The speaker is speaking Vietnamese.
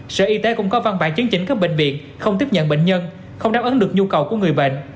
sở y tế cũng có văn bản chứng chỉnh các bệnh viện không tiếp nhận bệnh nhân không đáp ứng được nhu cầu của người bệnh